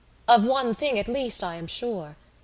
Of one thing, at least, I am sure.